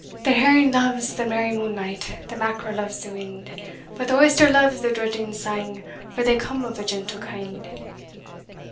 "The herring loves the merry moonlight, The mackerel loves the wind, But the oyster loves the dredging sang, For they come of a gentle kind."